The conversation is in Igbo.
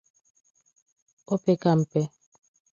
O peka mpe